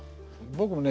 僕もね